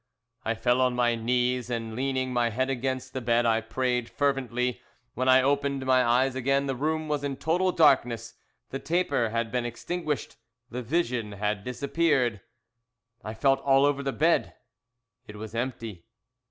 "I fell on my knees, and leaning my head against the bed, I prayed fervently. "When I opened my eyes again the room was in total darkness, the taper had been extinguished, the vision had disappeared. "I felt all over the bed, it was empty.